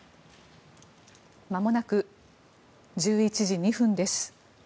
まもなく１１時２分です。